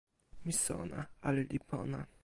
mi sona. ale li pona.